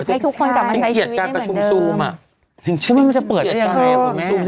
ถึงเชื่อไหมมันจะเปิดเลย